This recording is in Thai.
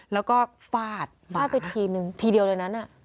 แล้วก็ฟาดฟาดไปทีนึงทีเดียวเลยนั้น